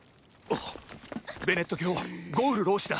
ベネット教ゴウル老師だ。